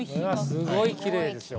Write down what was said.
うわすごいきれいですよ